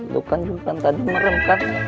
lo kan juga tadi merem kan